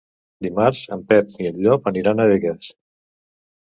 Dimarts en Pep i en Llop aniran a Begues.